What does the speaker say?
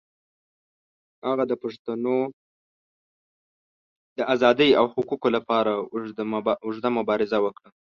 هغه د پښتنو د آزادۍ او حقوقو لپاره اوږده مبارزه وکړه.